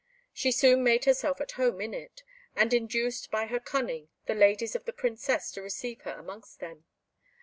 She soon made herself at home in it, and induced by her cunning the ladies of the Princess to receive her amongst them.